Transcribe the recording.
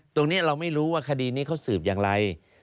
ตรงนี้เราไม่รู้ว่าคดีนี้เขาสืบอย่างไร